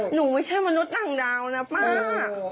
ไม่ใช่มนุษย์ต่างดาวนะป้า